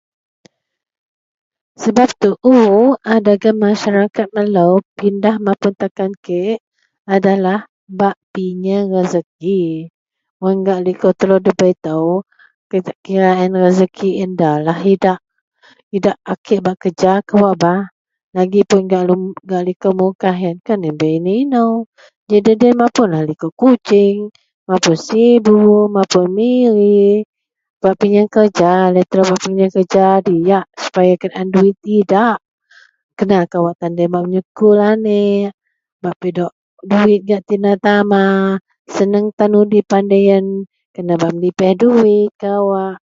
sebab tuu a dagen masyarakat melou pindah mapun takan kek adalah bak piyeang rezeki, mun gak liko telou debei itou ki kira rezeki ien da lah idak, idak a kek bak kerja kawak bah, lagi pun gak lum gak liko mukah ien kan bei inou-inou, de dek bei mapun lah liko Kuching mapun sibu mapun miri bak piyeang kerja laie telou bak piyeang kerja diak supaya bak kenaan duwit idak, kena kawak tan deloyien bak meyekul aneak bak pidok duwit gak tina tama, senang tan udipan loyien kena bak medepih duwit kawak